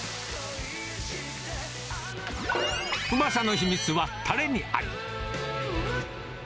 うまさの秘密はたれにあり。